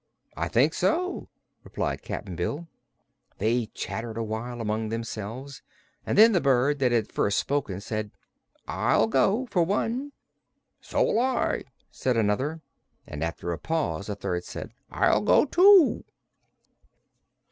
"I think so," replied Cap'n Bill. They chattered a while among themselves and then the bird that had first spoken said: "I'll go, for one." "So will I," said another; and after a pause a third said: "I'll go, too."